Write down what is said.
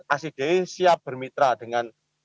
acdi siap bermitra dengan